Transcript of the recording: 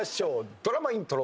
ドラマイントロ。